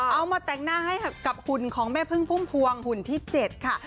เอามาแต่งหน้าให้กับหุ่นของแม่พึ่งพุ่มพวงหุ่นที่๗ค่ะ